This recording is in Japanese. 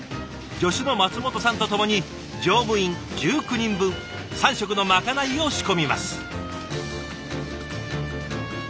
助手の松本さんと共に乗務員１９人分３食のまかないを仕込みます。